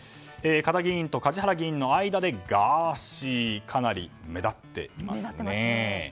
嘉田議員と梶原議員の間でガーシーかなり目立っています。